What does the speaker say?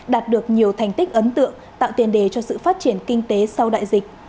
đạt được nhiều thành tích ấn tượng tạo tiền đề cho sự phát triển kinh tế sau đại dịch